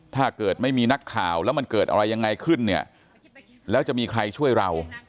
ถ้าเกิดไม่มีนักข่าวแล้วมันเกิดอะไรยังไงขึ้นเนี่ยแล้วจะมีใครช่วยเรา